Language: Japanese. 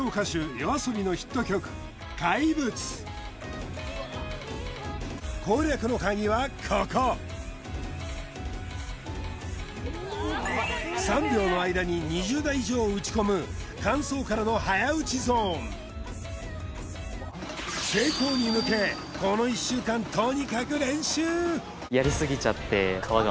ＹＯＡＳＯＢＩのヒット曲「怪物」攻略の鍵はここ３秒の間に２０打以上打ち込む間奏からの早打ちゾーン成功に向けこの１週間とにかく練習！